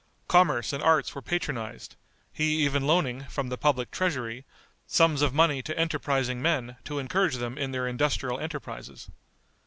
Commerce and arts were patronized, he even loaning, from the public treasury, sums of money to enterprising men to encourage them in their industrial enterprises.